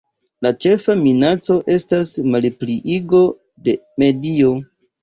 La ĉefa minaco estas malpliigo de medio.